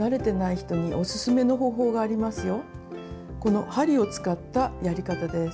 この針を使ったやり方です。